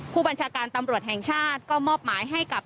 ผู้บัญชาการตำรวจแห่งชาติก็มอบหมายให้กับ